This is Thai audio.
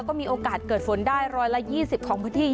ก็มีโอกาสเกิดฝนได้๑๒๐ของพื้นที่